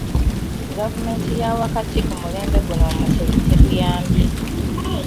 Gavumenti yawakati ku mulembe guno Omutebi tetuyambye.